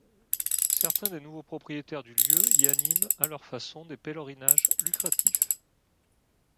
Certains des nouveaux propriétaires du lieu y animent, à leur façon, des pèlerinages lucratifs.